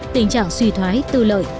tình trạng suy thoái tư lợi